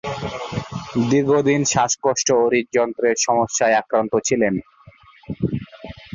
দীর্ঘদিন শ্বাসকষ্ট ও হৃদযন্ত্রের সমস্যায় আক্রান্ত ছিলেন।